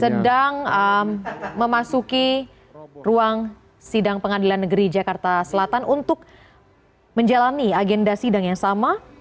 sedang memasuki ruang sidang pengadilan negeri jakarta selatan untuk menjalani agenda sidang yang sama